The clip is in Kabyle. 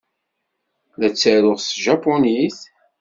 La ttaruɣ s tjapunit?